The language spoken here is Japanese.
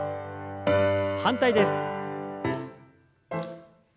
反対です。